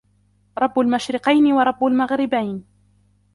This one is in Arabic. رَبُّ الْمَشْرِقَيْنِ وَرَبُّ الْمَغْرِبَيْنِ